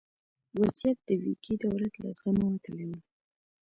وضعیت د ویګي دولت له زغمه وتلی و.